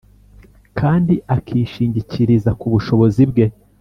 , kandi akishingikiriza ku bushobozi Bwe.